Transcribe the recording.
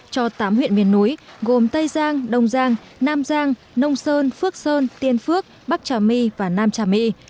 cho tám huyện miền núi gồm tây giang đông giang nam giang nông sơn phước sơn tiên phước bắc trà my và nam trà my